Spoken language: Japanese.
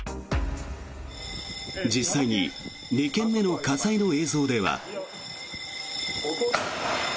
実際に２件目の火災の映像では。